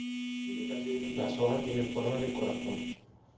Las hojas tienen forma de corazón.